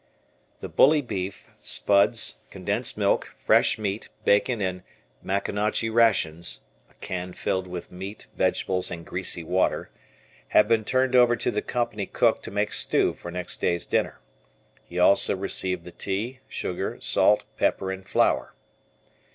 The "bully beef," spuds, condensed milk, fresh meat, bacon, and "Maconochie Rations" (a can filled with meat, vegetables, and greasy water), had been turned over to the Company Cook to make stew for next day's dinner. He also received the tea, sugar, salt, pepper, and flour.